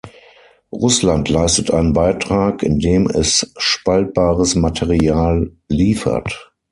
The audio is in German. Russland leistet einen Beitrag, indem es spaltbares Material liefert.